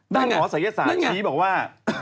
หมอศัยศาสตร์ชี้บอกว่า